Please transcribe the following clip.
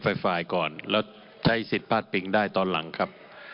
ฝ่ายก่อนแล้วใช้สิทธิ์พลาดปิงได้ตอนหลังครับ